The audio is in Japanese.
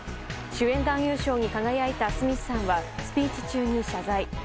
主演男優賞に輝いたスミスさんはスピーチ中に謝罪。